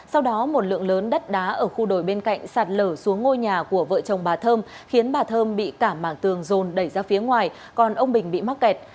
sau đó một lượng lớn đất đá ở khu đồi bên cạnh sạt lở xuống ngôi nhà của vợ chồng bà thơm khiến bà thơm bị cả mảng tường rôn đẩy ra phía ngoài còn ông bình bị mắc kẹt